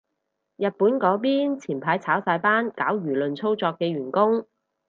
日本嗰邊前排炒晒班搞輿論操作嘅員工